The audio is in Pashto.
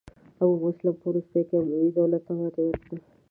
ابو مسلم په وروستیو کې اموي دولت ته ماتې ورکړه.